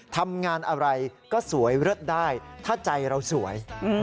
ทำงานอะไรก็สวยเลิศได้ถ้าใจเราสวย